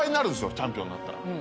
チャンピオンになったら。